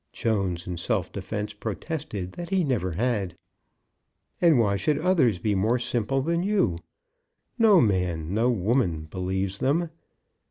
Jones, in self defence, protested that he never had. "And why should others be more simple than you? No man, no woman believes them.